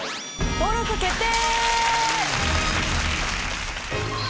登録決定！